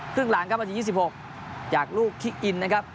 ครึ่งหลังครับนาทียี่สิบหกจากลูกคิ๊กอินนะครับ